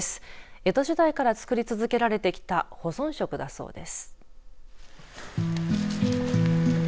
江戸時代から作り続けられてきた保存食だそうです。